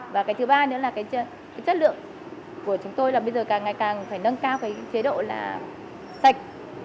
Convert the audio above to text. và cái thứ ba nữa là cái chất lượng của chúng tôi là bây giờ càng ngày càng phải nâng cao cái chế độ là sạch